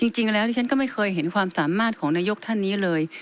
จริงแล้วดิฉันก็ไม่เคยเห็นความสามารถของนายกท่านนี้เลย